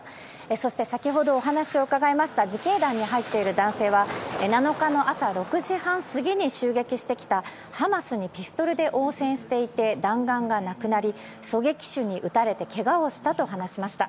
そして、先ほどお話を伺いました自警団に入っている男性は７日の朝６時半過ぎに襲撃してきたハマスにピストルで応戦していて弾丸がなくなり狙撃手に撃たれてけがをしたと話しました。